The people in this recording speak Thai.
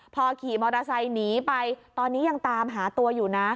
พอขี่มอเตอร์ไซค์หนีไปตอนนี้ยังตามหาตัวอยู่นะ